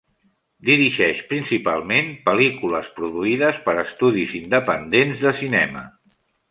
Dirigeix principalment pel·lícules produïdes per estudis independents de cinema.